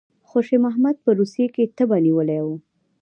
خوشي محمد په روسیې کې تبه نیولی وو.